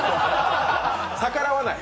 逆らわない！